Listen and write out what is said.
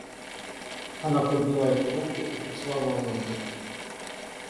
Она подняла эту руку и поцеловала ее.